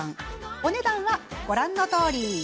お値段はご覧のとおり。